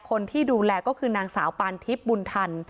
คนที่ดูแลก็คือนางสาวปานทิพย์บุญทัน